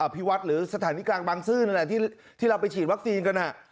อภิวัติหรือสถานีกลางบังซื่นอะไรที่ที่เราไปฉีดวัคซีนกันอ่ะ